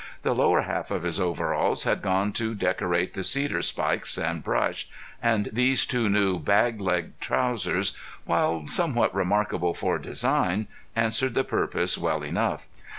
The lower half of his overalls had gone to decorate the cedar spikes and brush, and these new bag leg trousers, while somewhat remarkable for design, answered the purpose well enough.